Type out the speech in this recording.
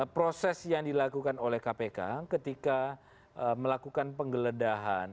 proses yang dilakukan oleh kpk ketika melakukan penggeledahan